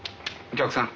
お客さん！